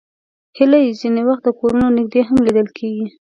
هیلۍ ځینې وخت د کورونو نږدې هم لیدل کېږي